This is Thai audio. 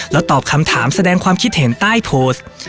แล้วตอบคำถามแสดงความคิดเห็นใต้โพสต์